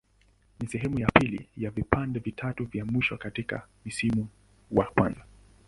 Ni sehemu ya pili ya vipande vitatu vya mwisho katika msimu wa kwanza.